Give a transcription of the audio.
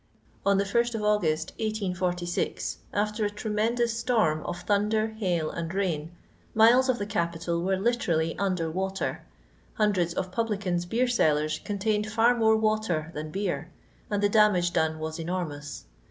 On the 1st of August, 1846, after a tremendous storm of thunder, hail, and rain, miles of the capital were literally under water; hundreds of publicans' beer cellars contained fax more water than beer, and the damage done was enormous.